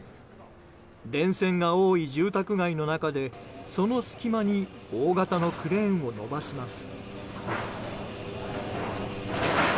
電線が多い住宅街の中でその隙間に大型のクレーンを伸ばします。